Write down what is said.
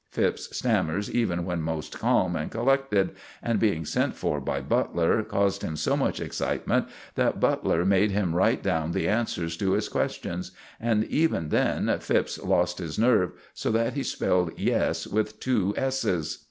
Phipps stammers even when most calm and collected, and, being sent for by Butler, caused him so much excitement that Butler made him write down the answers to his questions, and even then Phipps lost his nerve so that he spelled "yes" with two s's.